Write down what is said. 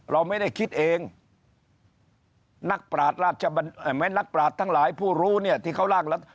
เราไม่ได้คิดเองนักปราศนักปราศทั้งหลายผู้รู้เนี่ยที่เขาร่างรัฐ